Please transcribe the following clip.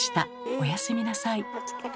おやすみなさい。